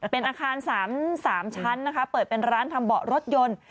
เป็นอาคาร๓ชั้นนะคะเปิดเป็นร้านทำเบาะรถยนต์